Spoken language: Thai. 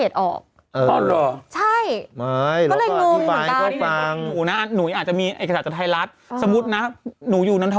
จริงแล้วว่าช่างภาพไทยรัฐเคยนะคะ